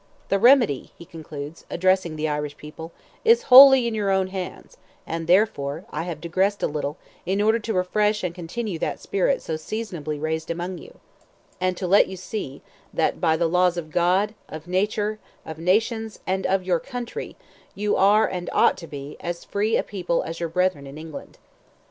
"The remedy," he concludes, addressing the Irish people, "is wholly in your own hands, and therefore I have digressed a little, in order to refresh and continue that spirit so seasonably raised among you, and to let you see, that, by the laws of God, of nature, of nations, and of your country, you are, and ought to be, as free a people as your brethren in England."